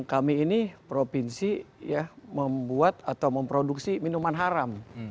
kami ini provinsi membuat atau memproduksi minuman haram